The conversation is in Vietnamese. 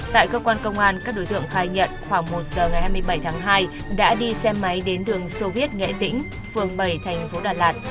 tại cơ quan công an các đối tượng khai nhận khoảng một giờ ngày hai mươi bảy tháng hai đã đi xe máy đến đường soviet nghệ tĩnh phường bảy thành phố đà lạt